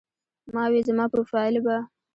ما وې زما پروفائيل به